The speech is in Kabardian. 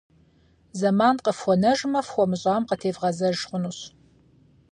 Зэман кьыфхуэнэжмэ, фхуэмыщӏам къытевгъэзэж хъунущ.